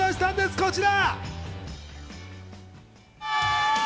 こちら。